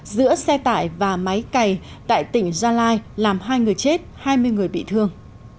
giữa xe tải và máy cày tại tỉnh gia lai làm hai người chết hai mươi người bị thương